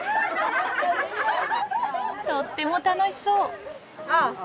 とっても楽しそう。